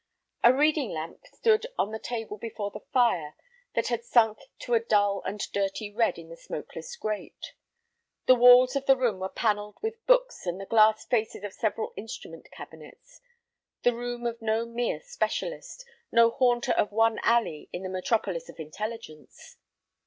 A reading lamp stood on the table before the fire, that had sunk to a dull and dirty red in the smokeless grate. The walls of the room were panelled with books and the glass faces of several instrument cabinets—the room of no mere specialist, no haunter of one alley in the metropolis of intelligence.